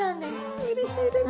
あうれしいですね。